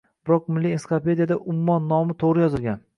Biroq milliy ensiklopediyada ummon nomi toʻgʻri yozilgan